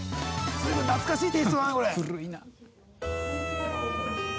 随分懐かしいテイストだなこれ。